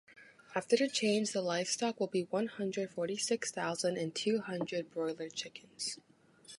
After the change, the livestock will be one hundred forty six thousand and two hundred broiler chickens.